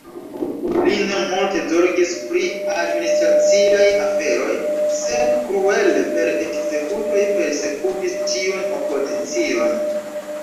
Li ne multe zorgis pri administraciaj aferoj, sed kruele per ekzekutoj persekutis ĉiun opozicion.